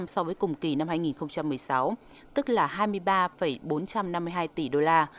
hai mươi một một mươi chín so với cùng kỳ năm hai nghìn một mươi sáu tức là hai mươi ba bốn trăm năm mươi hai tỷ đô la